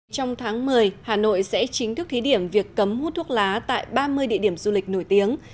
trong tháng một mươi hà nội sẽ chính thức thí điểm việc cấm hút thuốc lá tại ba mươi địa điểm du lịch nổi tiếng